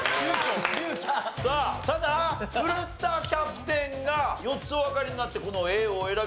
さあただ古田キャプテンが４つおわかりになってこのＡをお選びになった。